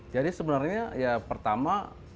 jadi sebenarnya ya pertama